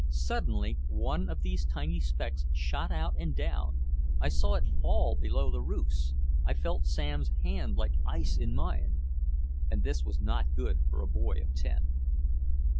Suddenly one of these tiny specks shot out and down, I saw it fall below the roofs, I felt Sam's hand like ice in mine. And this was not good for a boy of ten.